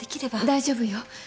大丈夫よ。